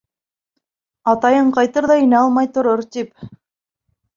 Атайың ҡайтыр ҙа инә алмай торор, тип.